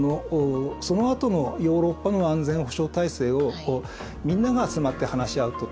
そのあとのヨーロッパの安全保障体制をみんなが集まって話し合うと。